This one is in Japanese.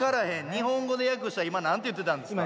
日本語で訳したら今何て言ってたんですか？